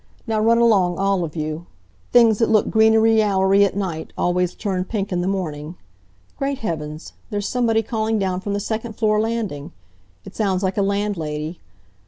Now run along, all of you. Things that look greenery yallery at night always turn pink in the morning. Great Heavens! There's somebody calling down from the second floor landing. It sounds like a landlady.